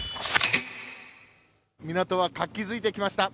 港は活気づいてきました。